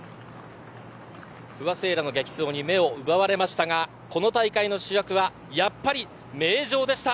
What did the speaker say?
不破の激走に目を奪われましたがこの大会の主役はやっぱり名城でした。